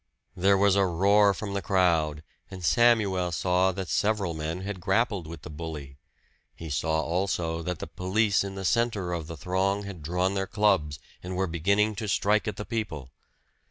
There was a roar from the crowd, and Samuel saw that several men had grappled with the bully; he saw, also, that the police in the center of the throng had drawn their clubs, and were beginning to strike at the people.